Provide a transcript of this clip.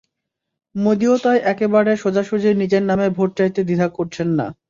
মোদিও তাই একেবারে সোজাসুজি নিজের নামে ভোট চাইতে দ্বিধা করছেন না।